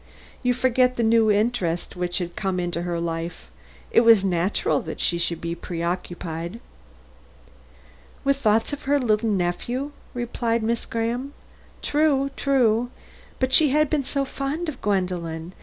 "You forget the new interest which had come into her life. It was natural that she should be preoccupied." "With thoughts of her little nephew?" replied Miss Graham. "True, true; but she had been so fond of Gwendolen!